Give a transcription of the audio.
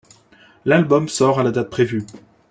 L'album sort à la date prévue.